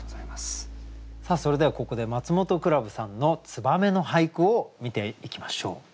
それではここでマツモトクラブさんの「燕」の俳句を見ていきましょう。